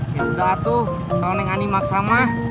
yaudah tuh kalau nek ani maksa mah